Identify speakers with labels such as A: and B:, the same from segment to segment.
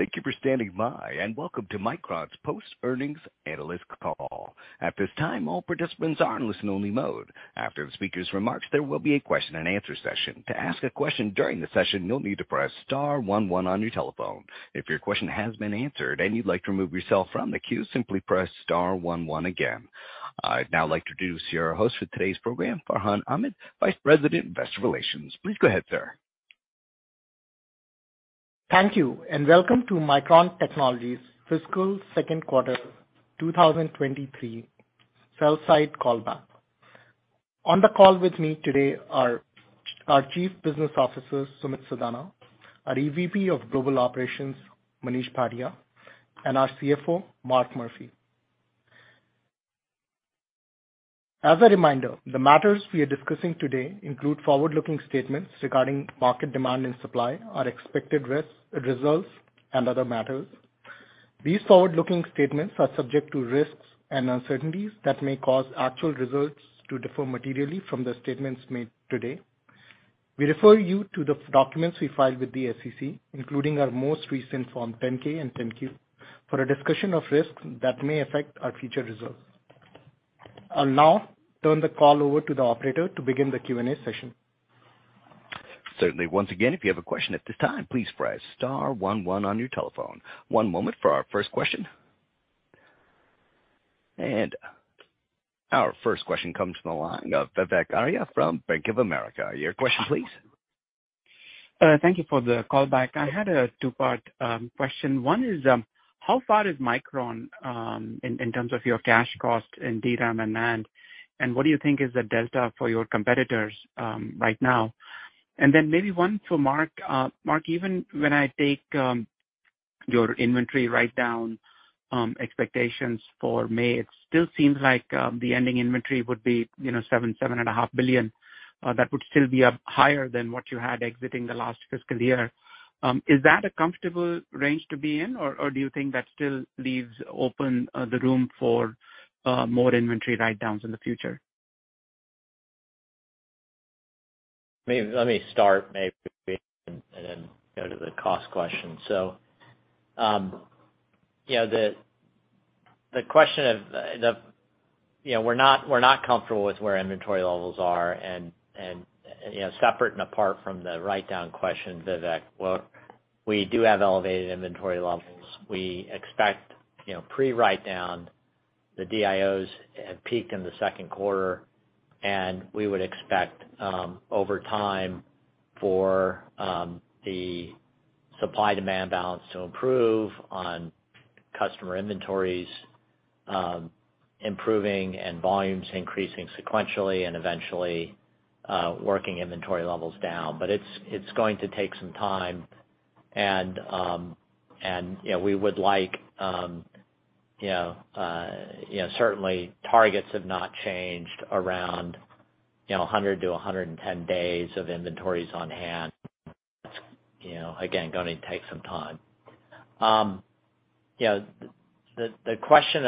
A: Thank you for standing by and welcome to Micron's Post Earnings Analyst Call. At this time, all participants are in listen only mode. After the speaker's remarks, there will be a question and answer session. To ask a question during the session, you'll need to press star one one on your telephone. If your question has been answered and you'd like to remove yourself from the queue, simply press star one one again. I'd now like to introduce your host for today's program, Farhan Ahmad, Vice President, Investor Relations. Please go ahead, sir.
B: Thank you, welcome to Micron Technology's fiscal second quarter 2023 sell side call back. On the call with me today are our Chief Business Officer, Sumit Sadana, our EVP of Global Operations, Manish Bhatia, and our CFO, Mark Murphy. As a reminder, the matters we are discussing today include forward-looking statements regarding market demand and supply, our expected results, and other matters. These forward-looking statements are subject to risks and uncertainties that may cause actual results to differ materially from the statements made today. We refer you to the documents we filed with the SEC, including our most recent form 10-K and 10-Q, for a discussion of risks that may affect our future results. I'll now turn the call over to the operator to begin the Q&A session.
A: Certainly. Once again, if you have a question at this time, please press star one one on your telephone. One moment for our first question. Our first question comes from the line of Vivek Arya from Bank of America. Your question please.
C: Thank you for the call back. I had a 2-part question. One is, how far is Micron in terms of your cash cost in DRAM and NAND, and what do you think is the delta for your competitors right now? Maybe one for Mark. Mark, even when I take your inventory write down expectations for May, it still seems like the ending inventory would be, you know, $7 billion-$7.5 billion, that would still be up higher than what you had exiting the last fiscal year. Is that a comfortable range to be in or do you think that still leaves open the room for more inventory write downs in the future?
D: Let me start maybe and then go to the cost question. You know, the question of, you know, we're not comfortable with where inventory levels are and, you know, separate and apart from the write down question, Vivek. We do have elevated inventory levels. We expect, you know, pre-write down the DIOs have peaked in the second quarter, we would expect over time for the supply-demand balance to improve on customer inventories improving and volumes increasing sequentially and eventually working inventory levels down. It's going to take some time and, you know, we would like certainly targets have not changed around, you know, 100 to 110 days of inventories on hand. That's, you know, again, gonna take some time. You know, the question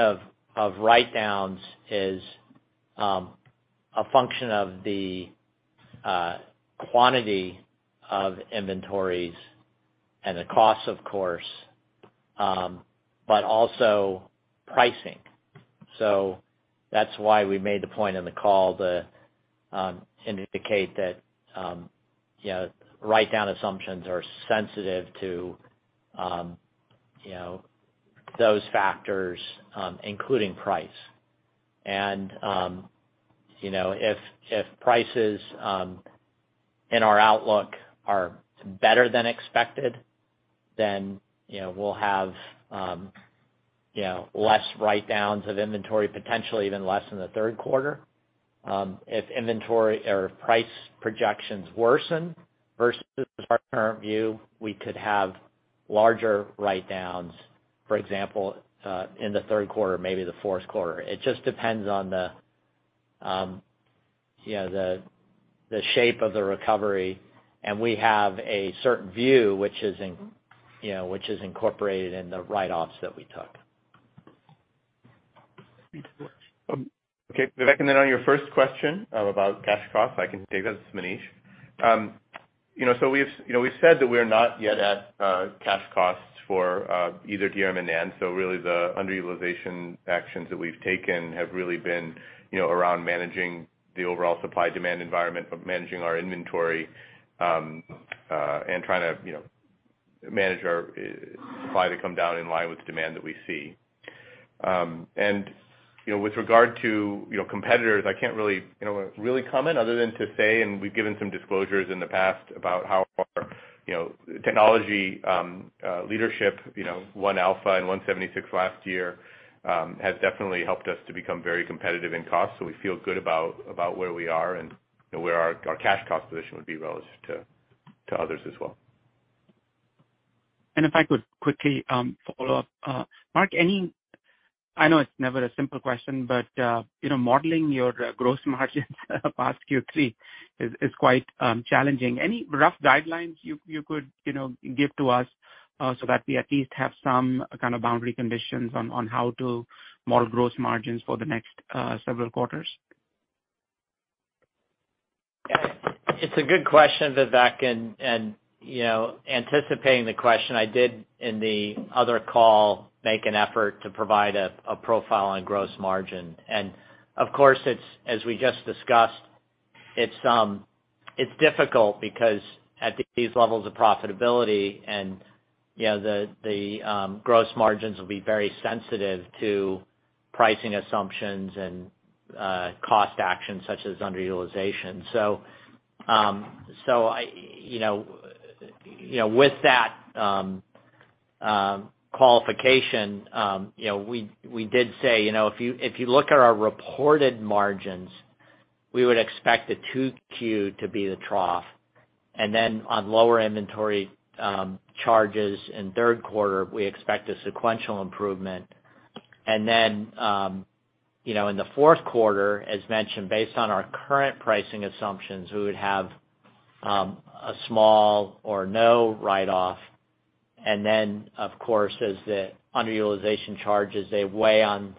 D: of write downs is a function of the quantity of inventories and the cost, of course, but also pricing. That's why we made the point on the call to indicate that, you know, write down assumptions are sensitive to, you know, those factors, including price. You know, if prices in our outlook are better than expected, then, you know, we'll have, you know, less write downs of inventory, potentially even less in the third quarter. If inventory or price projections worsen versus our current view, we could have larger write downs, for example, in the third quarter, maybe the fourth quarter. It just depends on the, you know, the shape of the recovery, and we have a certain view which is in, you know, which is incorporated in the write-offs that we took.
E: Okay. Vivek, on your first question, about cash costs, I can take that. It's Manish. You know, we've, you know, we've said that we're not yet at cash costs for either DRAM and NAND. Really the underutilization actions that we've taken have really been, you know, around managing the overall supply-demand environment, but managing our inventory, and trying to, you know, manage our supply to come down in line with demand that we see. You know, with regard to, you know, competitors, I can't really, you know, really comment other than to say, and we've given some disclosures in the past about how our, you know, technology leadership, you know, 1α and 176-layer last year, has definitely helped us to become very competitive in cost. We feel good about where we are and where our cash cost position would be relative to others as well.
C: If I could quickly, follow up. Mark, I know it's never a simple question, but, you know, modeling your gross margins past Q3 is quite challenging. Any rough guidelines you could, you know, give to us, so that we at least have some kind of boundary conditions on how to model gross margins for the next several quarters?
D: It's a good question, Vivek, and, you know, anticipating the question I did in the other call, make an effort to provide a profile on gross margin. Of course, it's as we just discussed, it's difficult because at these levels of profitability and, you know, the gross margins will be very sensitive to pricing assumptions and cost actions such as underutilization. I, you know... You know, with that qualification, you know, we did say, you know, if you, if you look at our reported margins, we would expect the 2Q to be the trough. Then on lower inventory charges in third quarter, we expect a sequential improvement. Then, you know, in the fourth quarter, as mentioned, based on our current pricing assumptions, we would have a small or no write-off. Then, of course, as the underutilization charges, they weigh on,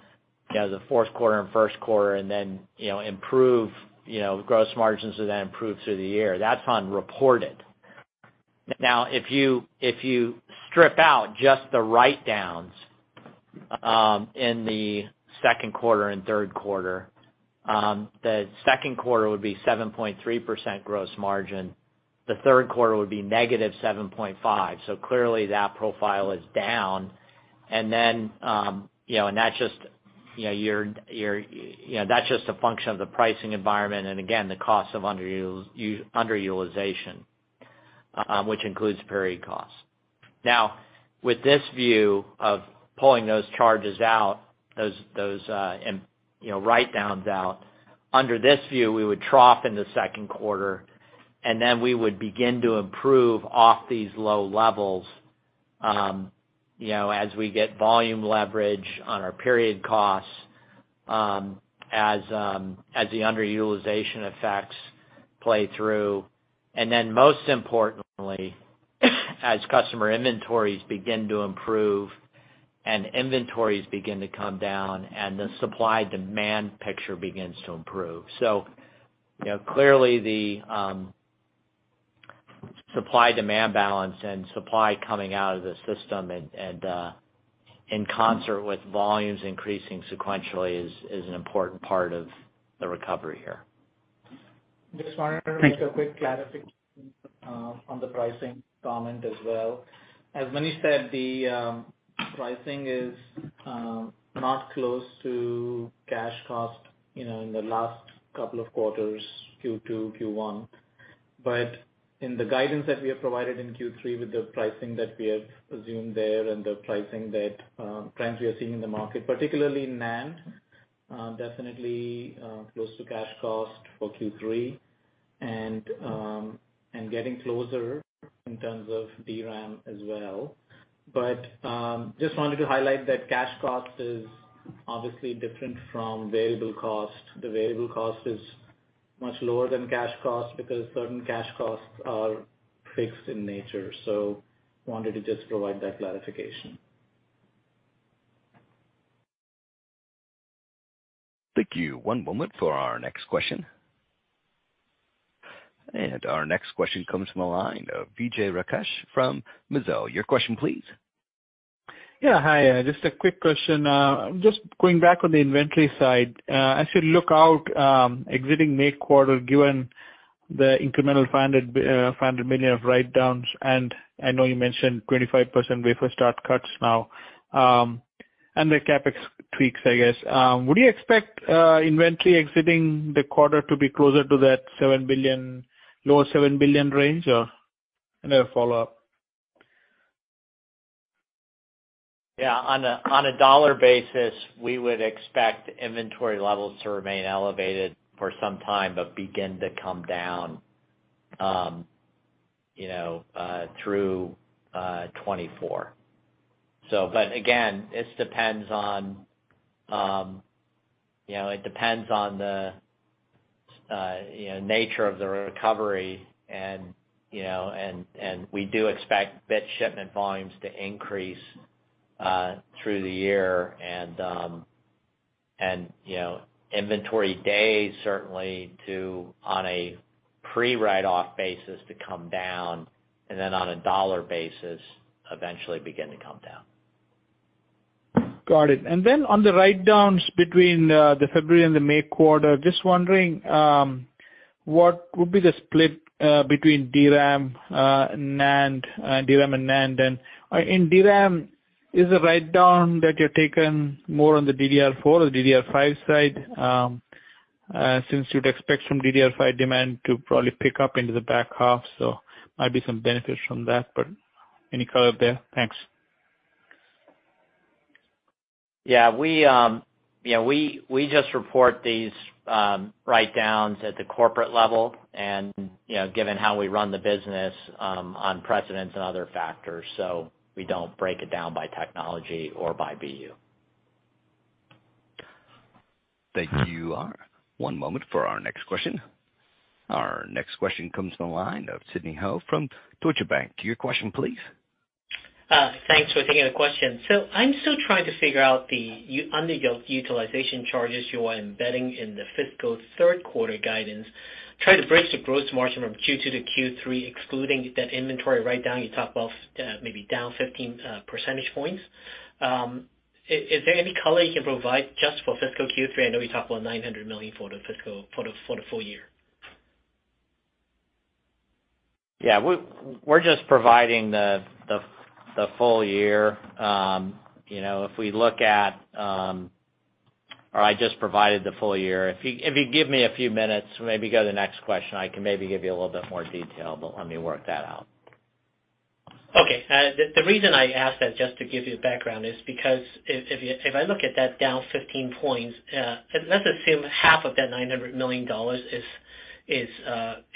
D: you know, the fourth quarter and first quarter and then, you know, improve, you know, gross margins will then improve through the year. That's on reported. If you, if you strip out just the write-downs in the second quarter and third quarter, the second quarter would be 7.3% gross margin. The third quarter would be -7.5%. Clearly that profile is down. Then, you know, and that's just, you know, your, you know, that's just a function of the pricing environment and again, the cost of underutilization, which includes period costs. Now, with this view of pulling those charges out, those, and, you know, write-downs out, under this view, we would trough in the second quarter, then we would begin to improve off these low levels, you know, as we get volume leverage on our period costs, as the underutilization effects play through. Most importantly, as customer inventories begin to improve and inventories begin to come down, and the supply-demand picture begins to improve. You know, clearly the, supply-demand balance and supply coming out of the system and, in concert with volumes increasing sequentially is an important part of the recovery here.
F: Just wanted to make a quick clarification on the pricing comment as well. As Manish said, the pricing is not close to cash cost, you know, in the last couple of quarters, Q2, Q1. In the guidance that we have provided in Q3 with the pricing that we have assumed there and the pricing that trends we are seeing in the market, particularly NAND, definitely close to cash cost for Q3, and getting closer in terms of DRAM as well. Just wanted to highlight that cash cost is obviously different from variable cost. The variable cost is much lower than cash cost because certain cash costs are fixed in nature. Wanted to just provide that clarification.
A: Thank you. One moment for our next question. Our next question comes from the line of Vijay Rakesh from Mizuho. Your question please.
G: Yeah. Hi, just a quick question. Just going back on the inventory side. As you look out, exiting May quarter, given the incremental $500 million of write-downs, and I know you mentioned 25% wafer start cuts now, and the CapEx tweaks, I guess. Would you expect inventory exiting the quarter to be closer to that $7 billion, lower $7 billion range or? A follow-up.
D: Yeah. On a dollar basis, we would expect inventory levels to remain elevated for some time, but begin to come down, you know, through 2024. But again, this depends on, you know, it depends on the, you know, nature of the recovery and, you know, and we do expect bit shipment volumes to increase through the year and, you know, inventory days certainly to on a pre-write off basis to come down and then on a dollar basis eventually begin to come down.
G: Got it. Then on the write-downs between the February and the May quarter, just wondering what would be the split between DRAM, NAND, DRAM and NAND? In DRAM is the write-down that you're taken more on the DDR4 or DDR5 side? Since you'd expect some DDR5 demand to probably pick up into the back half, so might be some benefits from that. Any color there? Thanks.
D: We just report these write-downs at the corporate level and, you know, given how we run the business, on precedents and other factors, so we don't break it down by technology or by BU.
A: Thank you. One moment for our next question. Our next question comes from the line of Sidney Ho from Deutsche Bank. Your question please.
H: Thanks for taking the question. I'm still trying to figure out the under your utilization charges you are embedding in the fiscal third quarter guidance, try to bridge the gross margin from Q2 to Q3, excluding that inventory write down, you talk about, maybe down 15 percentage points. Is there any color you can provide just for fiscal Q3? I know we talked about $900 million for the full year.
D: Yeah. We're just providing the full year. you know, Or I just provided the full year. If you give me a few minutes, maybe go to the next question, I can maybe give you a little bit more detail, but let me work that out.
H: Okay. The reason I ask that, just to give you background, is because if I look at that down 15 points, let's assume half of that $900 million is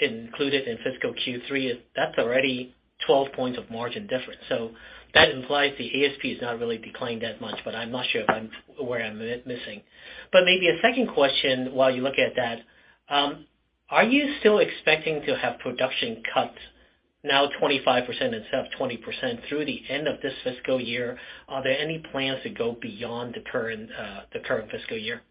H: included in fiscal Q3, that's already 12 points of margin difference. That implies the ASP has not really declined that much, but I'm not sure if I'm, where I'm missing. Maybe a second question while you look at that, are you still expecting to have production cuts now 25% instead of 20% through the end of this fiscal year? Are there any plans to go beyond the current fiscal year?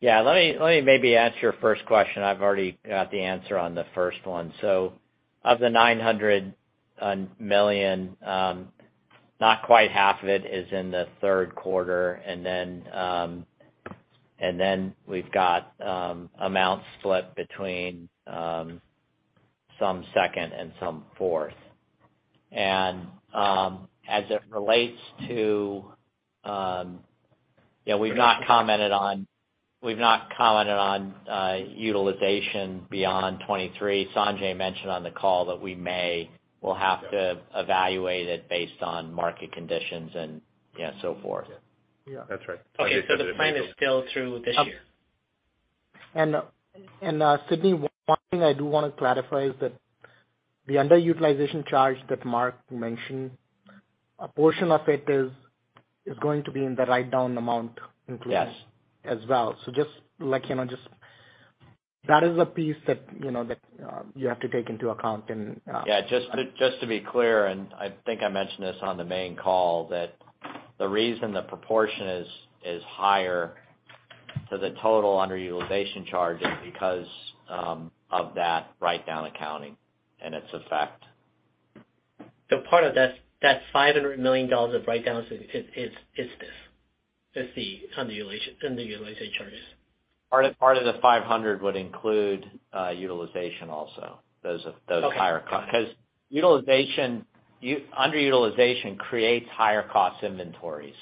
D: Yeah, let me maybe answer your first question. I've already got the answer on the first one. Of the $900 million, not quite half of it is in the third quarter. We've got amounts split between some second and some fourth. As it relates to, you know, we've not commented on utilization beyond 2023. Sanjay mentioned on the call that we'll have to evaluate it based on market conditions and, you know, so forth.
F: Yeah. That's right.
H: Okay. The plan is still through this year.
F: Sidney, one thing I do wanna clarify is that the underutilization charge that Mark mentioned, a portion of it is going to be in the write-down amount inclusion-
D: Yes
F: As well. just let you know, just that is a piece that, you know, you have to take into account and.
D: Yeah. Just to be clear, and I think I mentioned this on the main call, that the reason the proportion is higher to the total underutilization charge is because of that write-down accounting and its effect.
H: Part of that $500 million of write-down is this. It's the underutilization charges.
D: Part of the $500 would include utilization also. Those higher costs.
H: Okay.
D: 'Cause utilization underutilization creates higher cost inventory.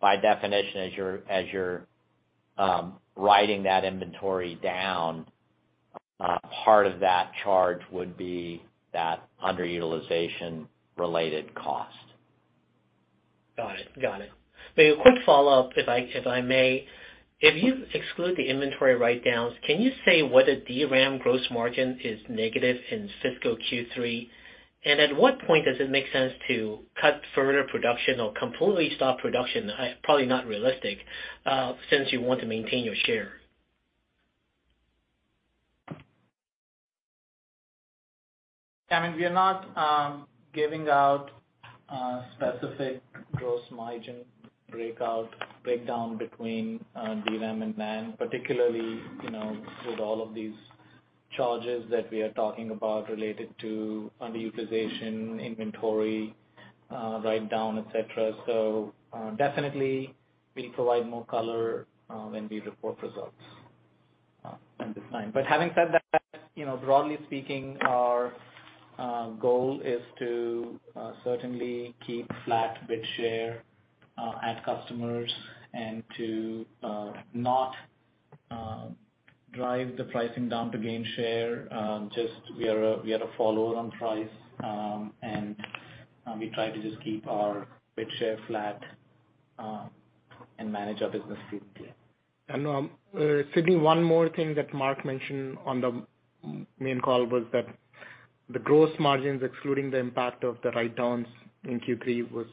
D: By definition, as you're writing that inventory down, part of that charge would be that underutilization related cost.
H: Got it. Got it. Maybe a quick follow-up, if I, if I may. If you exclude the inventory write-downs, can you say whether DRAM gross margin is negative in fiscal Q3? At what point does it make sense to cut further production or completely stop production? probably not realistic, since you want to maintain your share.
F: I mean, we are not giving out specific gross margin breakout, breakdown between DRAM and NAND, particularly, you know, with all of these charges that we are talking about related to underutilization, inventory, write-down, et cetera. Definitely we'll provide more color when we report results in due time. Having said that, you know, broadly speaking, our goal is to certainly keep flat bit share, add customers and to not drive the pricing down to gain share. Just we are a follower on price, and we try to just keep our bit share flat and manage our business carefully. Sidney, one more thing that Mark mentioned on the main call was that the gross margins, excluding the impact of the write-downs in Q3, was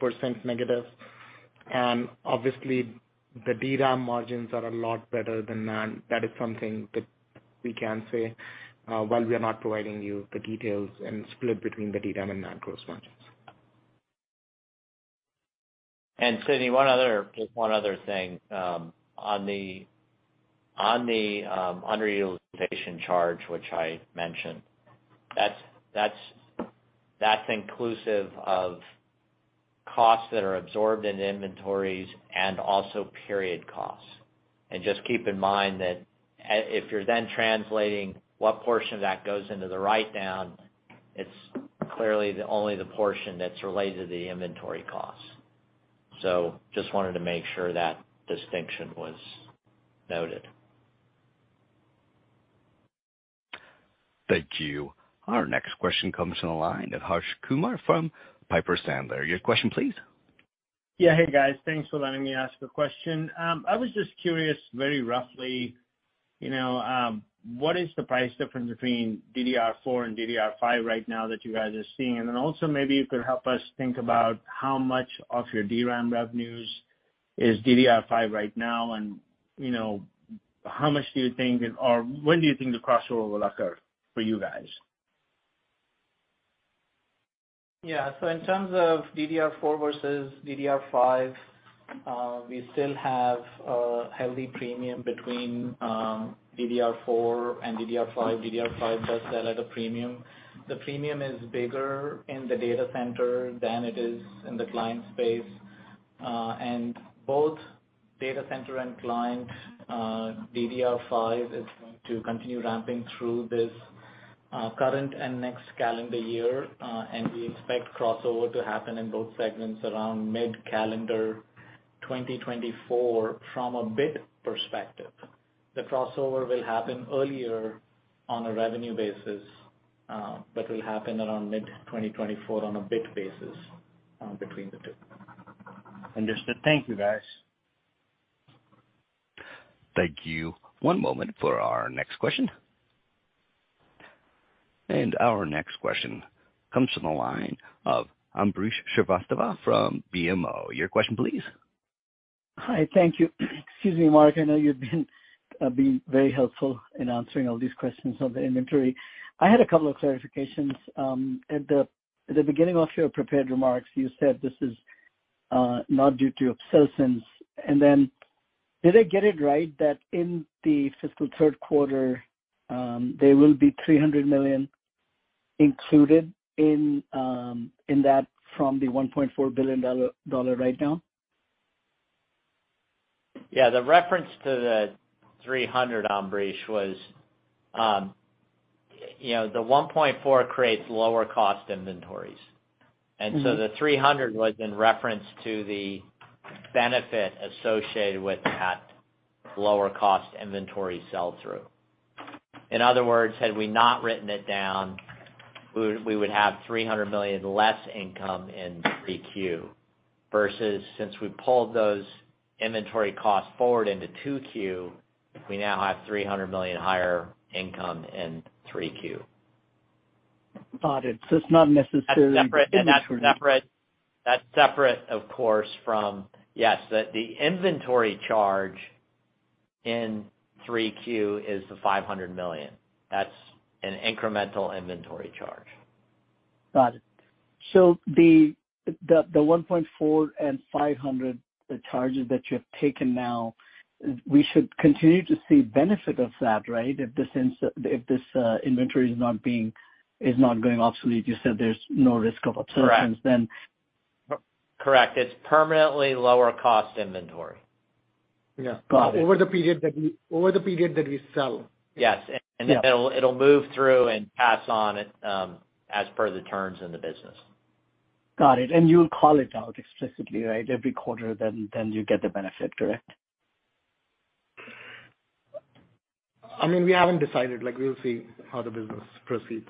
F: 7.5%-. Obviously the DRAM margins are a lot better than NAND. That is something that we can say, while we are not providing you the details and split between the DRAM and NAND gross margins.
D: Sidney, one other, just one other thing. On the, on the underutilization charge, which I mentioned, that's inclusive of costs that are absorbed in inventories and also period costs. Just keep in mind that if you're then translating what portion of that goes into the write-down, it's clearly the only the portion that's related to the inventory costs. Just wanted to make sure that distinction was noted.
A: Thank you. Our next question comes from the line of Harsh Kumar from Piper Sandler. Your question please.
I: Yeah. Hey, guys. Thanks for letting me ask a question. I was just curious, very roughly, you know, what is the price difference between DDR4 and DDR5 right now that you guys are seeing? Then also maybe you could help us think about how much of your DRAM revenues- Is DDR5 right now and, you know, how much do you think or when do you think the crossover will occur for you guys?
F: Yeah. In terms of DDR4 versus DDR5, we still have a healthy premium between DDR4 and DDR5. DDR5 does sell at a premium. The premium is bigger in the data center than it is in the client space. Both data center and client, DDR5 is going to continue ramping through this current and next calendar year. We expect crossover to happen in both segments around mid-calendar 2024 from a bit perspective. The crossover will happen earlier on a revenue basis, but will happen around mid-2024 on a bit basis between the two.
I: Understood. Thank you, guys.
A: Thank you. One moment for our next question. Our next question comes from the line of Ambrish Srivastava from BMO. Your question please.
J: Hi. Thank you. Excuse me, Mark, I know you've been very helpful in answering all these questions on the inventory. I had a couple of clarifications. At the, at the beginning of your prepared remarks, you said this is not due to obsolescence. Then did I get it right, that in the fiscal third quarter, there will be $300 million included in that from the $1.4 billion dollar right now?
D: Yeah. The reference to the $300, Ambrish, was, you know, the $1.4 creates lower cost inventories.
J: Mm-hmm.
D: The 300 was in reference to the benefit associated with that lower cost inventory sell through. In other words, had we not written it down, we would have $300 million less income in 3Q, versus since we pulled those inventory costs forward into 2Q, we now have $300 million higher income in 3Q.
J: Got it. It's not necessarily...
D: That's separate. That's separate, of course, from. Yes. The inventory charge in 3Q is the $500 million. That's an incremental inventory charge.
J: Got it. The $1.4 and $500, the charges that you have taken now, we should continue to see benefit of that, right? If this inventory is not being, is not going obsolete, you said there's no risk of obsolescence then.
D: Correct. It's permanently lower cost inventory.
E: Yeah.
J: Got it. Over the period that we sell.
D: Yes.
J: Yeah.
D: It'll move through and pass on it, as per the terms in the business.
J: Got it. You'll call it out explicitly, right? Every quarter then, you get the benefit, correct?
F: I mean, we haven't decided. Like, we'll see how the business proceeds.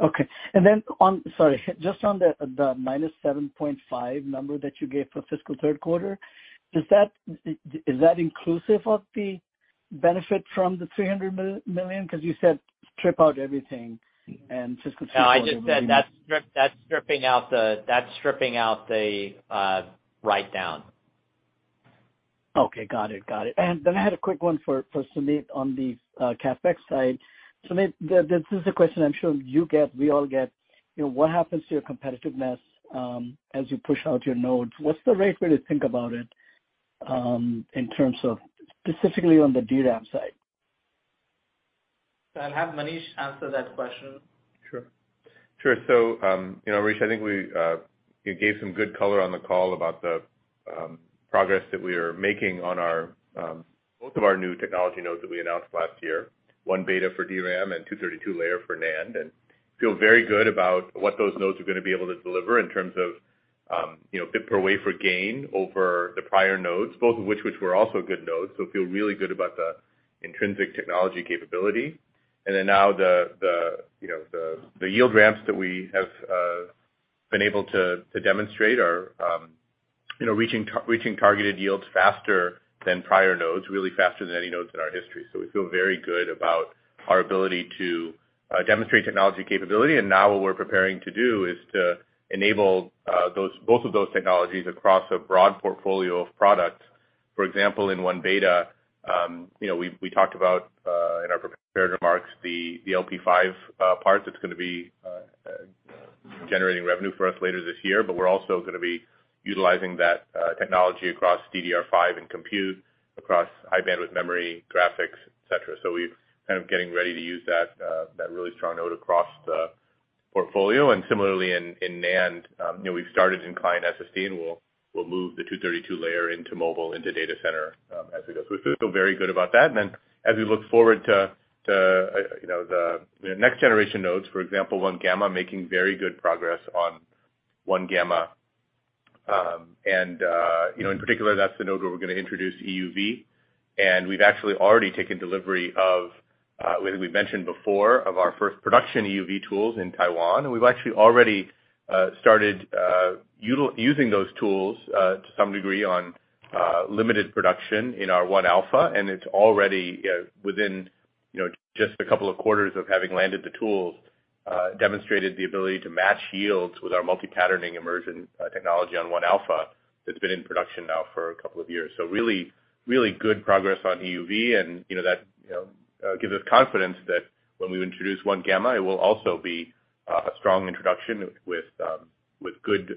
J: Okay. Sorry, just on the -7.5 number that you gave for fiscal third quarter, is that inclusive of the benefit from the $300 million? Because you said strip out everything and fiscal third quarter.
D: No, I just said that's stripping out the write down.
J: Okay. Got it. Got it. Then I had a quick one for Sumit on the CapEx side. Sumit, this is a question I'm sure you get, we all get, you know, what happens to your competitiveness as you push out your nodes? What's the right way to think about it in terms of specifically on the DRAM side?
F: I'll have Manish answer that question.
E: Sure. Sure. you know, Ambrish, I think we gave some good color on the call about the progress that we are making on our both of our new technology nodes that we announced last year, 1β for DRAM and 232-layer for NAND, and feel very good about what those nodes are gonna be able to deliver in terms of, you know, bit per wafer gain over the prior nodes, both of which were also good nodes. We feel really good about the intrinsic technology capability. now the, you know, the yield ramps that we have been able to demonstrate are, you know, reaching targeted yields faster than prior nodes, really faster than any nodes in our history. We feel very good about our ability to demonstrate technology capability. Now what we're preparing to do is to enable those, both of those technologies across a broad portfolio of products. For example, in 1β, you know, we talked about in our prepared remarks the LPDDR5 parts that's going to be generating revenue for us later this year, but we're also going to be utilizing that technology across DDR5 and compute, across High-Bandwidth Memory, graphics, et cetera. We're kind of getting ready to use that really strong node across the portfolio. Similarly in NAND, you know, we've started in client SSD, and we'll move the 232-layer into mobile, into data center, as we go. We feel very good about that. As we look forward to, you know, the next generation nodes, for example, 1γ, making very good progress on 1γ. You know, in particular, that's the node where we're gonna introduce EUV. We've actually already taken delivery of, I believe we've mentioned before, of our first production EUV tools in Taiwan. We've actually already started using those tools to some degree on limited production in our 1α, and it's already within, you know, just a couple of quarters of having landed the tools. Demonstrated the ability to match yields with our multi-patterning immersion technology on 1α that's been in production now for a couple of years. Really, really good progress on EUV, you know that, you know, gives us confidence that when we introduce 1γ, it will also be a strong introduction with good,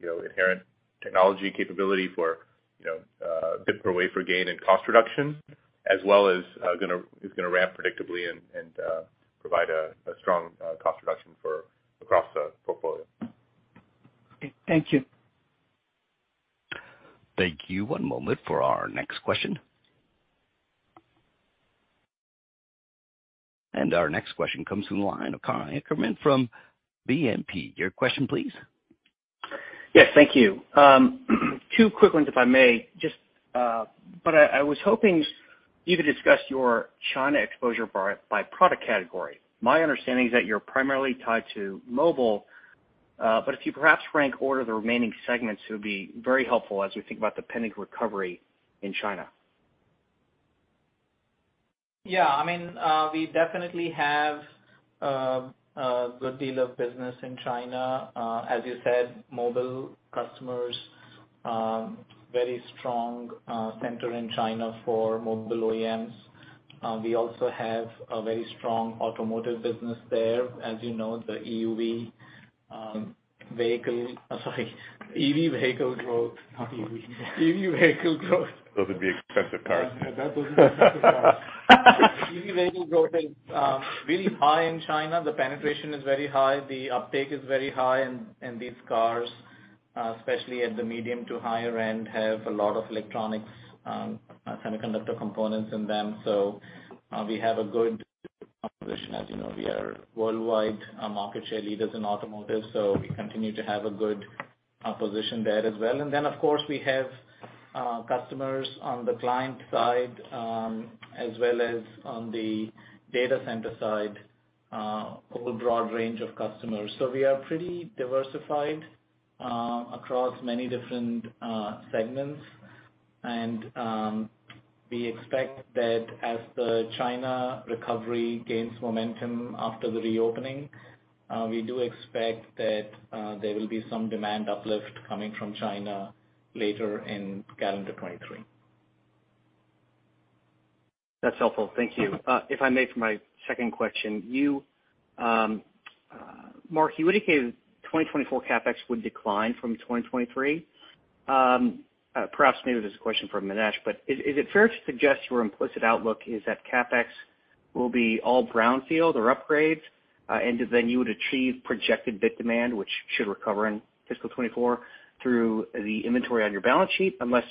E: you know, inherent technology capability for, you know, bit per wafer gain and cost reduction, as well as is gonna ramp predictably and provide a strong cost reduction for across the portfolio.
A: Okay, thank you. Thank you. One moment for our next question. Our next question comes from the line of Conor Inkerman from BNP. Your question please.
K: Yes, thank you. Two quick ones if I may. Just, I was hoping you could discuss your China exposure bar by product category. My understanding is that you're primarily tied to mobile, if you perhaps rank order the remaining segments, it would be very helpful as we think about the pending recovery in China?
F: Yeah. I mean, we definitely have a good deal of business in China. As you said, mobile customers, very strong center in China for mobile OEMs. We also have a very strong automotive business there. As you know, EV vehicle growth.
E: Not EUV.
F: E.V. vehicle growth.
E: Those would be expensive cars.
F: That was expensive cars. EV vehicle growth is really high in China. The penetration is very high. The uptake is very high in these cars, especially at the medium to higher end, have a lot of electronics, semiconductor components in them. We have a good position. As you know, we are worldwide market share leaders in automotive, we continue to have a good position there as well. Of course we have customers on the client side, as well as on the data center side, over a broad range of customers. We are pretty diversified across many different segments. We expect that as the China recovery gains momentum after the reopening, we do expect that there will be some demand uplift coming from China later in calendar 2023.
K: That's helpful. Thank you. If I may, for my second question, you, Mark, you indicated 2024 CapEx would decline from 2023. Perhaps maybe this is a question for Manish, but is it fair to suggest your implicit outlook is that CapEx will be all brownfield or upgrades, and then you would achieve projected bit demand, which should recover in fiscal 2024 through the inventory on your balance sheet, unless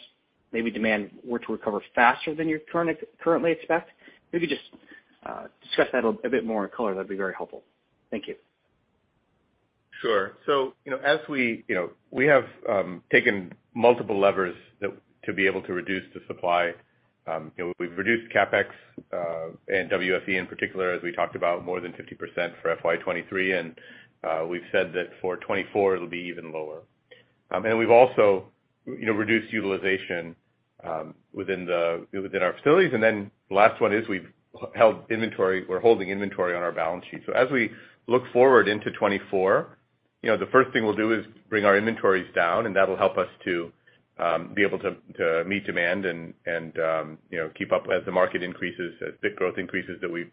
K: maybe demand were to recover faster than you currently expect? If you could just discuss that a bit more in color, that'd be very helpful. Thank you.
E: Sure. You know, as we, you know, we have taken multiple levers that to be able to reduce the supply. You know, we've reduced CapEx and WFE in particular, as we talked about more than 50% for FY 2023. We've said that for 2024 it'll be even lower. We've also, you know, reduced utilization within the, within our facilities. The last one is we've held inventory or holding inventory on our balance sheet. As we look forward into 2024, you know, the first thing we'll do is bring our inventories down, and that'll help us to be able to meet demand and, you know, keep up as the market increases, as bit growth increases that we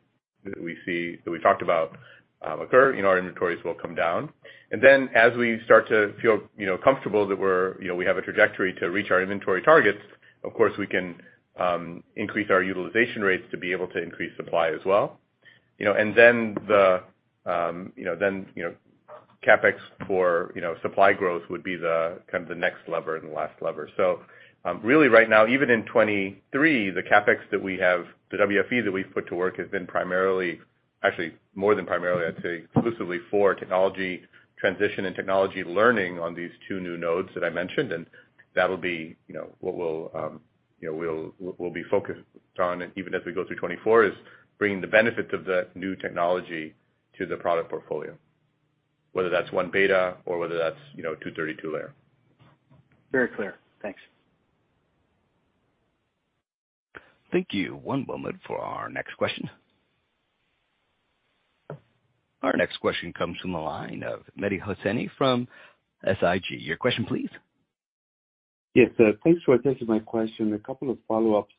E: see, that we talked about, occur, you know, our inventories will come down. As we start to feel, you know, comfortable that we're, you know, we have a trajectory to reach our inventory targets, of course, we can increase our utilization rates to be able to increase supply as well. CapEx for, you know, supply growth would be the kind of the next lever and the last lever. Really right now, even in 23, the CapEx that we have, the WFE that we've put to work has been primarily, actually more than primarily, I'd say exclusively for technology transition and technology learning on these two new nodes that I mentioned. That'll be, you know, what we'll, you know, we'll be focused on even as we go through 2024, is bringing the benefits of the new technology to the product portfolio, whether that's 1β or whether that's, you know, 232-layer.
K: Very clear. Thanks.
A: Thank you. One moment for our next question. Our next question comes from the line of Mehdi Hosseini from SIG. Your question please.
L: Yes, thanks for taking my question. A couple of follow-ups.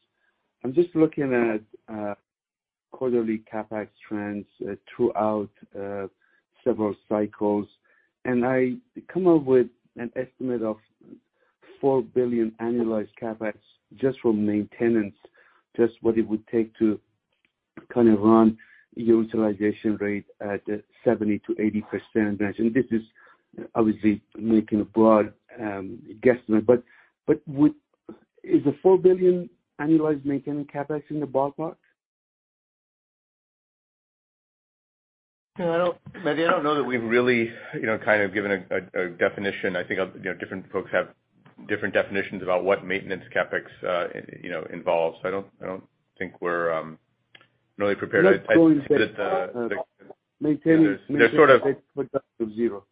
L: I'm just looking at quarterly CapEx trends throughout several cycles, and I come up with an estimate of $4 billion annualized CapEx just from maintenance, just what it would take to kind of run your utilization rate at 70%-80%. This is obviously making a broad guesstimate, but is the $4 billion annualized maintenance CapEx in the ballpark?
E: I don't, Mehdi, I don't know that we've really, you know, kind of given a definition. I think, you know, different folks have different definitions about what maintenance CapEx, you know, involves. I don't think we're really prepared.
L: Let's go with the, maintain-
E: They're sort of.
L: To zero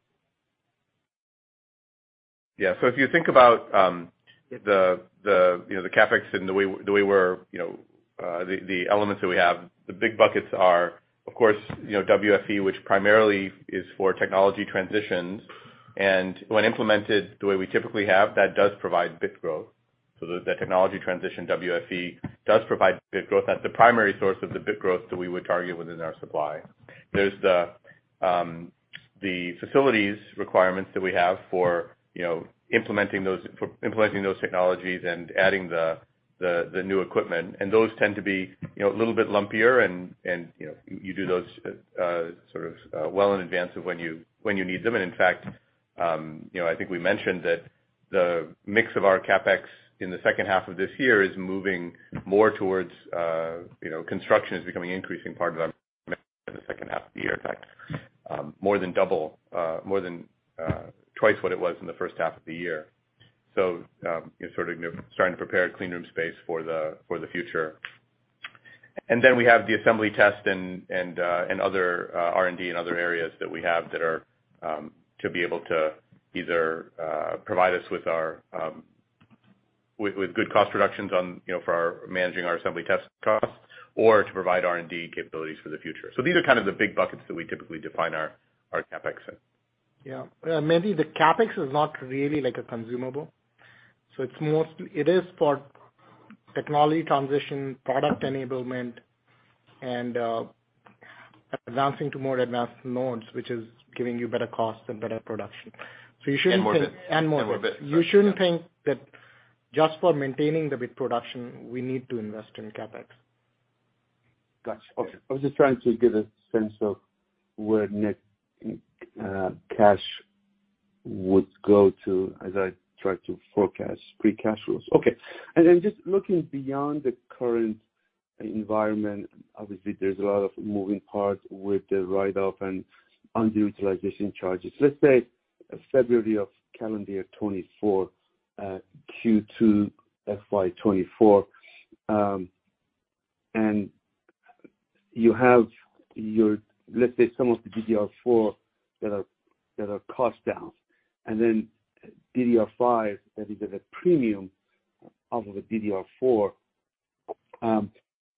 E: If you think about, you know, the CapEx and the way we're, you know, the elements that we have, the big buckets are of course, you know, WFE, which primarily is for technology transitions. When implemented the way we typically have, that does provide bit growth. The technology transition WFE does provide bit growth. That's the primary source of the bit growth that we would target within our supply. There's the facilities requirements that we have for, you know, implementing those, for implementing those technologies and adding the new equipment. Those tend to be, you know, a little bit lumpier and, you know, you do those sort of well in advance of when you, when you need them. In fact, you know, I think we mentioned that the mix of our CapEx in the second half of this year is moving more towards, you know, construction is becoming increasing part of our in the second half of the year. In fact, more than double, more than twice what it was in the first half of the year. You sort of starting to prepare clean room space for the future. Then we have the assembly test and, other R&D and other areas that we have that are to be able to either, provide us with our, with good cost reductions on, you know, for our managing our assembly test costs or to provide R&D capabilities for the future. These are kind of the big buckets that we typically define our CapEx in.
F: Maybe the CapEx is not really like a consumable. It's mostly it is for technology transition, product enablement and advancing to more advanced nodes, which is giving you better cost and better production.
E: More bit.
F: More bit. You shouldn't think that just for maintaining the bit production, we need to invest in CapEx.
L: Gotcha. Okay. I was just trying to get a sense of where net cash would go to as I try to forecast free cash flows. Okay. Just looking beyond the current environment, obviously there's a lot of moving parts with the write-off and underutilization charges. Let's say February of calendar 2024, Q2 FY 2024, and you have your, let's say some of the DDR4 that are cost down, and then DDR5 that is at a premium off of a DDR4.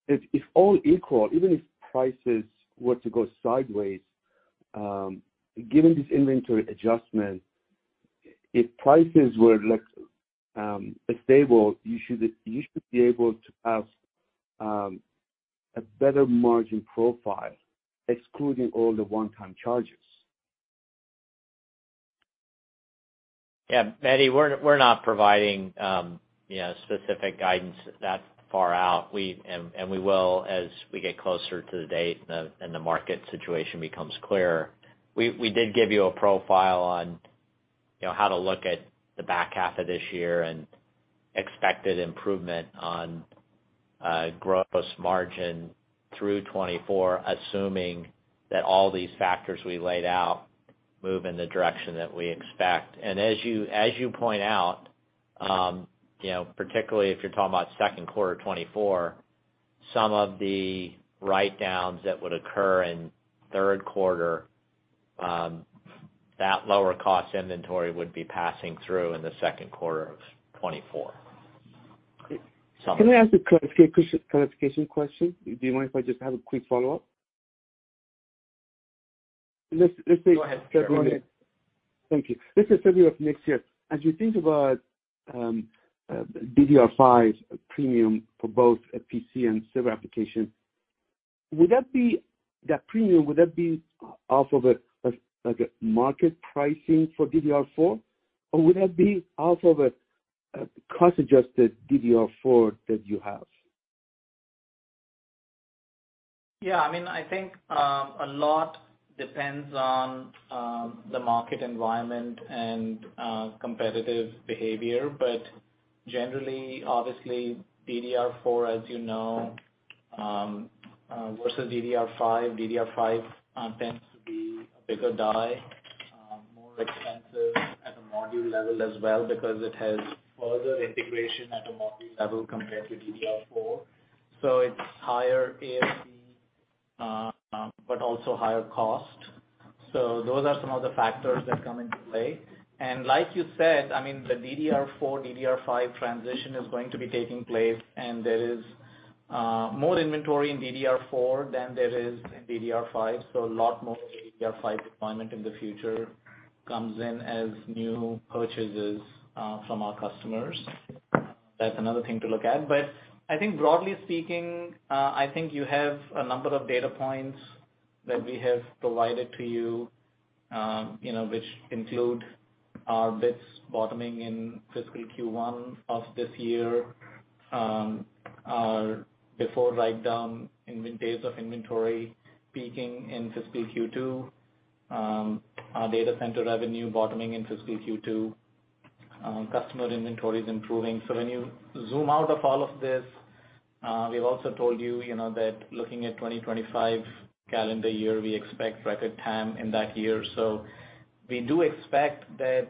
L: If all equal, even if prices were to go sideways, given this inventory adjustment, if prices were like stable, you should be able to have a better margin profile excluding all the one-time charges.
E: Yeah, Mehdi, we're not providing, you know, specific guidance that far out. We, and we will as we get closer to the date and the market situation becomes clearer. We, we did give you a profile on, you know, how to look at the back half of this year and expected improvement on gross margin through 2024, assuming that all these factors we laid out move in the direction that we expect. As you, as you point out, you know, particularly if you're talking about second quarter 2024, some of the write-downs that would occur in third quarter, that lower cost inventory would be passing through in the second quarter of 2024.
L: Can I ask a clarification question? Do you mind if I just have a quick follow-up? Let's say-
E: Go ahead.
L: Thank you. Let's say February of next year. As you think about DDR5 premium for both PC and server application, would that be off of a like a market pricing for DDR4, or would that be off of a cost-adjusted DDR4 that you have?
F: Yeah. I mean, I think, a lot depends on the market environment and competitive behavior. Generally, obviously, DDR4, as you know, versus DDR5, tends to be a bigger die, more expensive at the module level as well because it has further integration at the module level compared to DDR4. It's higher ASE, but also higher cost. Those are some of the factors that come into play. Like you said, I mean, the DDR4, DDR5 transition is going to be taking place, and there is, more inventory in DDR4 than there is in DDR5. A lot more DDR5 deployment in the future comes in as new purchases, from our customers. That's another thing to look at. I think broadly speaking, I think you have a number of data points that we have provided to you know, which include our bits bottoming in fiscal Q1 of this year, our before write-down days of inventory peaking in fiscal Q2, our data center revenue bottoming in fiscal Q2, customer inventory is improving. When you zoom out of all of this, we've also told you know, that looking at 2025 calendar year, we expect record TAM in that year. We do expect that,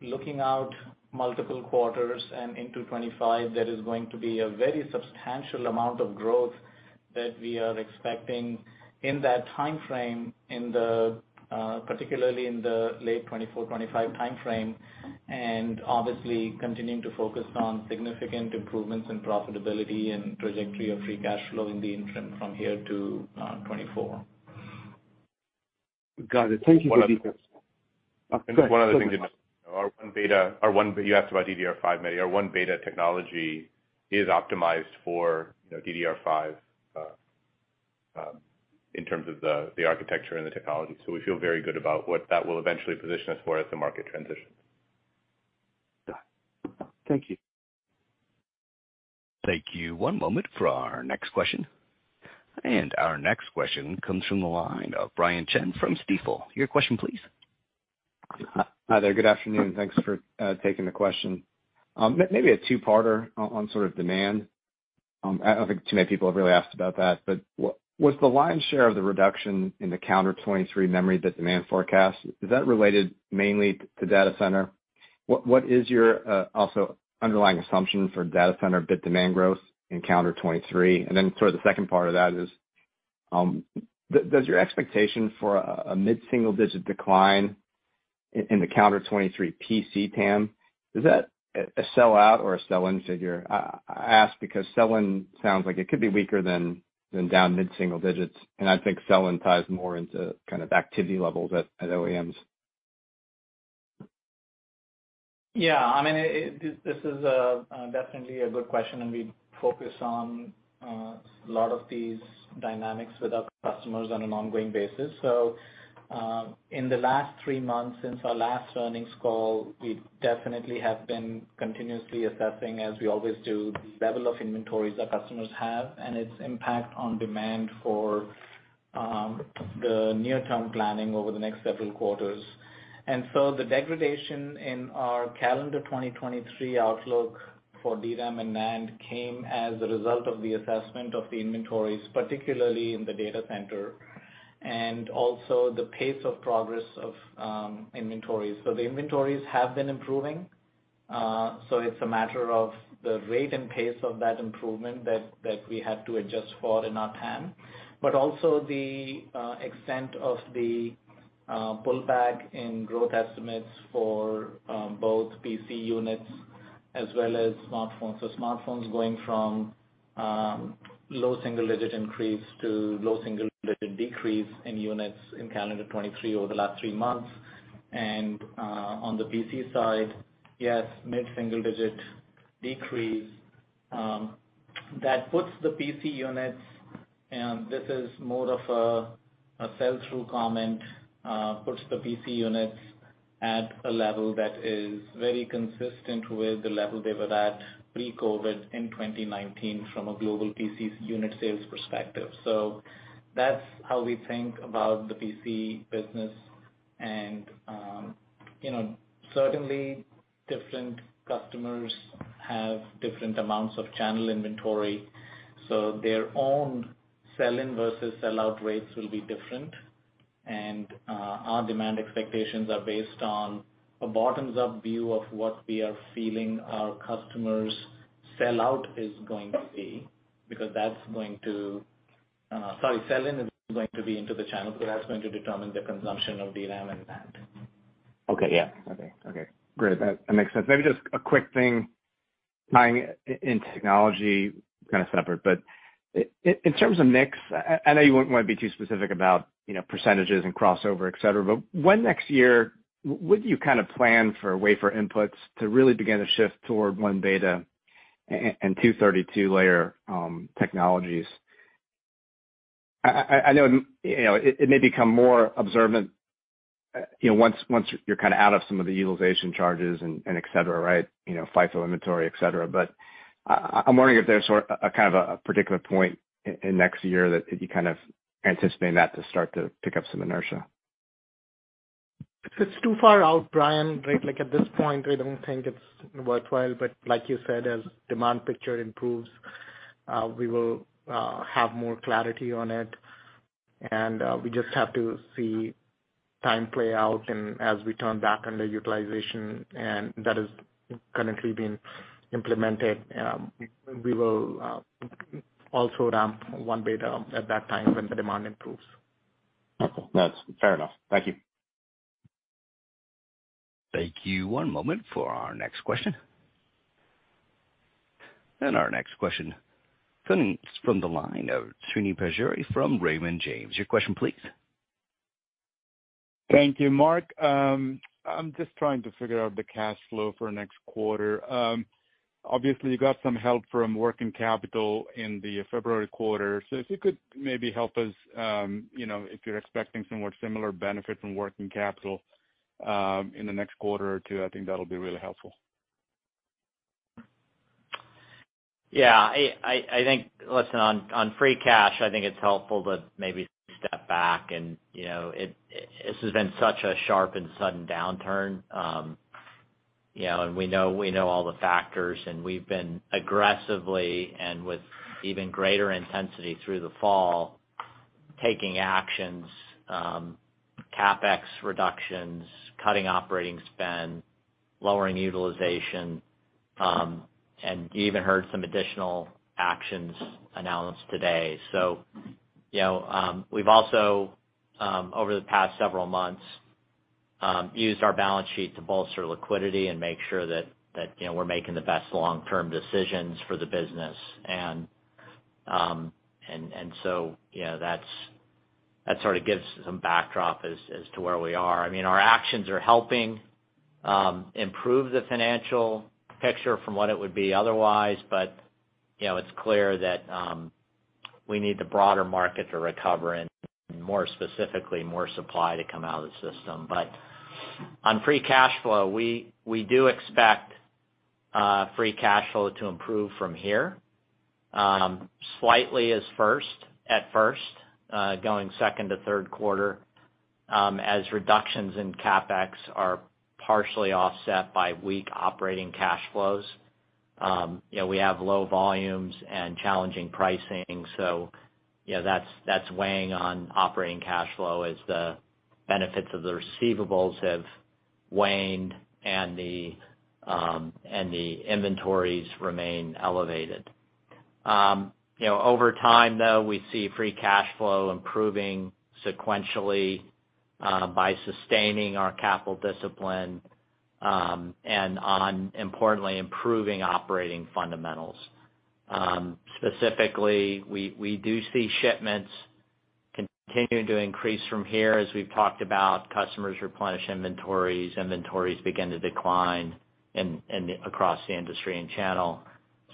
F: looking out multiple quarters and into 2025, there is going to be a very substantial amount of growth that we are expecting in that timeframe. In the, particularly in the late 2024, 2025 timeframe, and obviously continuing to focus on significant improvements in profitability and trajectory of free cash flow in the interim from here to 2024.
L: Got it. Thank you.
D: One other thing.
B: Oh, go ahead. Sorry.
D: Just one other thing, you asked about DDR5, Mehdi. Our 1β technology is optimized for, you know, DDR5, in terms of the architecture and the technology. We feel very good about what that will eventually position us for as the market transitions.
L: Got it. Thank you.
A: Thank you. One moment for our next question. Our next question comes from the line of Brian Chin from Stifel. Your question please.
M: Hi there. Good afternoon. Thanks for taking the question. Maybe a two-parter on sort of demand. I don't think too many people have really asked about that, but was the lion's share of the reduction in the calendar 2023 memory, the demand forecast, is that related mainly to data center? What is your also underlying assumption for data center bit demand growth in calendar 2023? Sort of the second part of that is, does your expectation for a mid-single-digit decline in the calendar 2023 PC TAM, is that a sell out or a sell in figure? I ask because sell in sounds like it could be weaker than down mid-single-digits, and I think sell in ties more into kind of activity levels at OEMs.
F: Yeah. I mean, this is definitely a good question. We focus on a lot of these dynamics with our customers on an ongoing basis. In the last three months since our last earnings call, we definitely have been continuously assessing, as we always do, the level of inventories our customers have and its impact on demand for the near-term planning over the next several quarters. The degradation in our calendar 2023 outlook for DRAM and NAND came as a result of the assessment of the inventories, particularly in the data center, and also the pace of progress of inventories. The inventories have been improving. It's a matter of the rate and pace of that improvement that we had to adjust for in our TAM. Also the extent of the pullback in growth estimates for both PC units as well as smartphones. Smartphones going from low single-digit increase to low single-digit decrease in units in calendar 2023 over the last three months. On the PC side, yes, mid-single-digit decrease, that puts the PC units, and this is more of a sell-through comment, puts the PC units at a level that is very consistent with the level they were at pre-COVID in 2019 from a global PCs unit sales perspective. That's how we think about the PC business and, you know, certainly different customers have different amounts of channel inventory, so their own sell in versus sell out rates will be different. Our demand expectations are based on a bottoms up view of what we are feeling our customers' sell out is going to be, because, sorry, sell in is going to be into the channel, so that's going to determine the consumption of DRAM and NAND.
M: Okay. Yeah. Okay. Okay. Great. That makes sense. Maybe just a quick thing, tying in technology kind of separate, but in terms of mix, I know you wouldn't wanna be too specific about, you know, percentages and crossover, et cetera, but when next year would you kind of plan for wafer inputs to really begin to shift toward 1β and 232-layer technologies? I know, you know, it may become more observant, you know, once you're kind of out of some of the utilization charges and et cetera, right? You know, FIFO inventory, et cetera. I'm wondering if there's a particular point in next year that you kind of anticipate that to start to pick up some inertia.
F: It's too far out, Brian, right? Like, at this point, I don't think it's worthwhile, but like you said, as demand picture improves, we will have more clarity on it. We just have to see time play out and as we turn back on the utilization, and that is currently being implemented, we will also ramp 1-beta at that time when the demand improves.
M: Okay. That's fair enough. Thank you.
A: Thank you. One moment for our next question. Our next question comes from the line of Srini Pajjuri from Raymond James. Your question please.
N: Thank you, Mark. I'm just trying to figure out the cash flow for next quarter. Obviously, you got some help from working capital in the February quarter. If you could maybe help us, you know, if you're expecting some more similar benefit from working capital in the next quarter or two, I think that'll be really helpful.
D: Yeah. I, I think, listen, on free cash, I think it's helpful to maybe step back and, you know, it, this has been such a sharp and sudden downturn, you know, we know, we know all the factors and we've been aggressively and with even greater intensity through the fall, taking actions, CapEx reductions, cutting operating spend, lowering utilization, you even heard some additional actions announced today. You know, we've also, over the past several months, used our balance sheet to bolster liquidity and make sure that, you know, we're making the best long-term decisions for the business. You know, that sort of gives some backdrop as to where we are. I mean, our actions are helping improve the financial picture from what it would be otherwise. You know, it's clear that we need the broader market to recover and more specifically, more supply to come out of the system. On free cash flow, we do expect free cash flow to improve from here, slightly as going 2nd to 3rd quarter, as reductions in CapEx are partially offset by weak operating cash flows. You know, we have low volumes and challenging pricing. Yeah, that's weighing on operating cash flow as the benefits of the receivables have waned and the inventories remain elevated. You know, over time, though, we see free cash flow improving sequentially, by sustaining our capital discipline, and importantly, improving operating fundamentals. Specifically, we do see shipments continuing to increase from here. As we've talked about, customers replenish inventories. Inventories begin to decline across the industry and channel.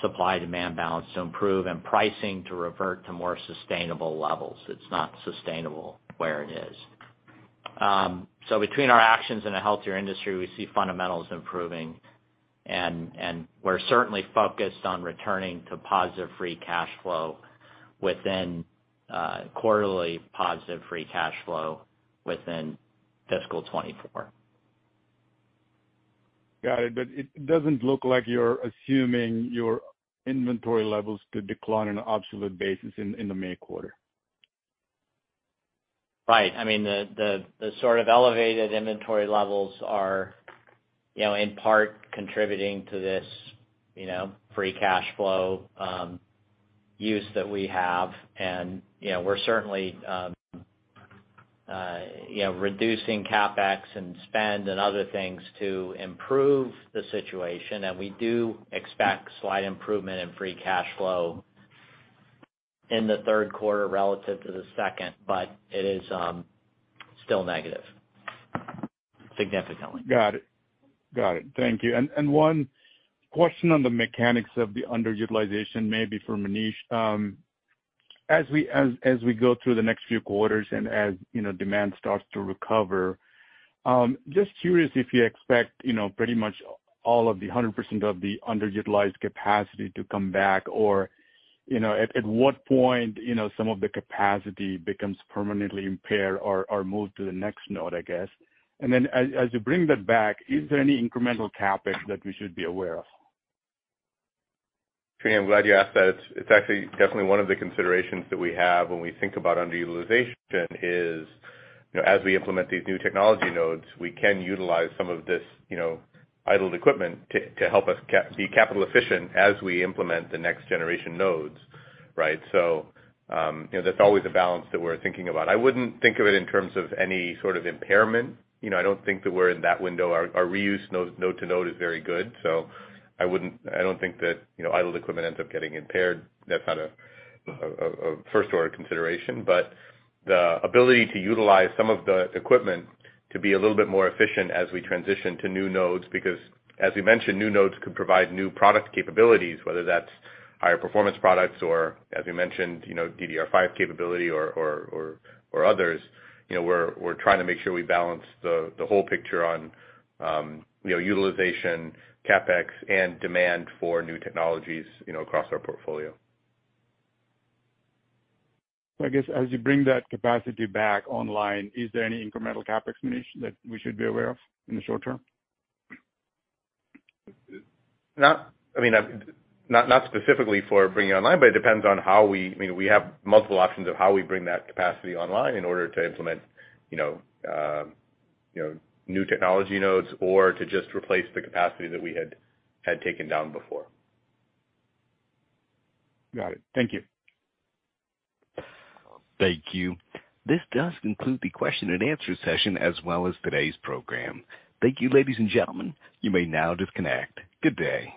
D: Supply-demand balance to improve and pricing to revert to more sustainable levels. It's not sustainable where it is. Between our actions and a healthier industry, we see fundamentals improving and we're certainly focused on returning to positive free cash flow within quarterly positive free cash flow within fiscal 2024.
N: Got it. It doesn't look like you're assuming your inventory levels to decline on an absolute basis in the May quarter.
D: Right. I mean, the sort of elevated inventory levels are, you know, in part contributing to this, you know, free cash flow use that we have. You know, we're certainly reducing CapEx and spend and other things to improve the situation. We do expect slight improvement in free cash flow in the third quarter relative to the second, but it is still negative, significantly.
N: Got it. Thank you. One question on the mechanics of the underutilization, maybe for Manish. As we go through the next few quarters and as, you know, demand starts to recover, just curious if you expect, you know, pretty much all of the 100% of the underutilized capacity to come back or, you know, at what point, you know, some of the capacity becomes permanently impaired or moved to the next node, I guess. As you bring that back, is there any incremental CapEx that we should be aware of?
E: Sri, I'm glad you asked that. It's actually definitely one of the considerations that we have when we think about underutilization is, you know, as we implement these new technology nodes, we can utilize some of this, you know, idled equipment to be capital efficient as we implement the next generation nodes, right? You know, that's always a balance that we're thinking about. I wouldn't think of it in terms of any sort of impairment. You know, I don't think that we're in that window. Our reuse node to node is very good, so I don't think that, you know, idled equipment ends up getting impaired. That's not a first order consideration. The ability to utilize some of the equipment to be a little bit more efficient as we transition to new nodes, because as we mentioned, new nodes could provide new product capabilities, whether that's higher performance products or as we mentioned, you know, DDR5 capability or others. You know, we're trying to make sure we balance the whole picture on, you know, utilization, CapEx and demand for new technologies, you know, across our portfolio.
N: I guess as you bring that capacity back online, is there any incremental CapEx, Manish, that we should be aware of in the short term?
E: Not specifically for bringing online, but it depends on how we have multiple options of how we bring that capacity online in order to implement, you know, you know, new technology nodes or to just replace the capacity that we had taken down before.
N: Got it. Thank you.
A: Thank you. This does conclude the question and answer session as well as today's program. Thank you, ladies and gentlemen. You may now disconnect. Good day.